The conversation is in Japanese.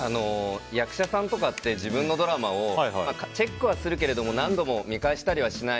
役者さんとかって自分のドラマをチェックはするけれども何度も見返したりはしない。